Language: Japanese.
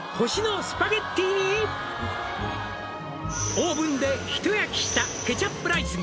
「オーブンでひと焼きしたケチャップライスに」